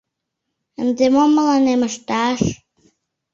Ынде мом мыланем ышташ?